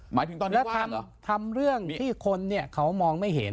หมายถึงตอนนี้ว่างหรอแล้วทำทำเรื่องที่คนนี้เขามองไม่เห็น